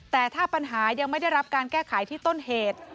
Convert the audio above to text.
แต่ถ้าปัญหายังไม่ได้รับการแก้ไขที่ต้นเหตุ